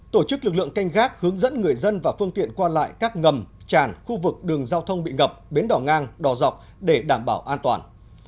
tổ chức lực lượng canh gác hướng dẫn người dân và phương tiện qua lại các ngầm tràn khu vực đường giao thông bị ngập bến đỏ ngang đỏ dọc để đảm bảo an toàn